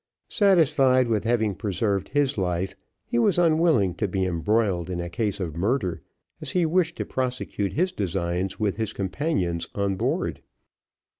Satisfied with having preserved his life, he was unwilling to be embroiled in a case of murder, as he wished to prosecute his designs with his companions on board.